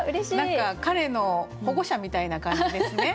何か彼の保護者みたいな感じですね。